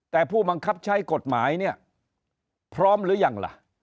แต่ผู้บังคับใช้กฎหมายเนี่ยพร้อมหรือยังล่ะ